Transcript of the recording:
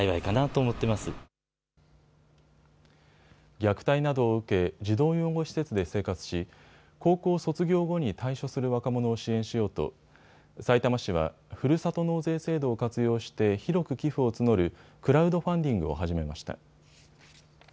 虐待などを受け児童養護施設で生活し高校卒業後に退所する若者を支援しようとさいたま市は、ふるさと納税制度を活用して広く寄付を募るクラウドファンディングを始めました。